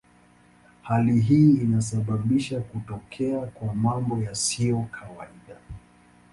Hali hii inasababisha kutokea kwa mambo yasiyo kawaida.